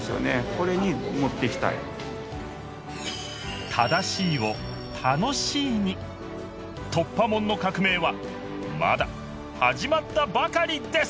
これに持って行きたい突破者の革命はまだ始まったばかりです！